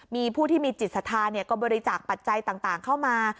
มีผู้ที่มีจิตศรัทธาก็บริจาคปัจจัยต่างเข้ามา